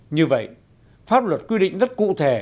như vậy pháp luật quy định rất cụ thể